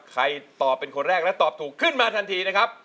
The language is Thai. ตอบเป็นคนแรกและตอบถูกขึ้นมาทันทีนะครับ